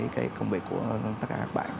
cái công việc của tất cả các bạn